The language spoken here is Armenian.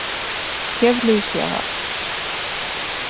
Եւ լոյս եղաւ։